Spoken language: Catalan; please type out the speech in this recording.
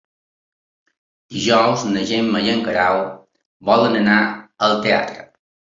Dijous na Gemma i en Guerau volen anar al teatre.